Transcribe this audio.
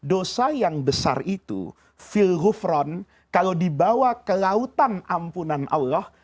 dosa yang besar itu fil hufron kalau dibawa ke lautan ampunan allah